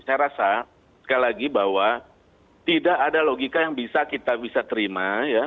saya rasa sekali lagi bahwa tidak ada logika yang bisa kita bisa terima ya